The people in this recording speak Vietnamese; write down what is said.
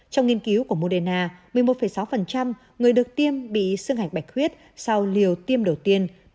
trong nghiên cứu của moderna một mươi một sáu người được tiêm bị sương hạch bạch huyết sau liều tiêm đầu tiên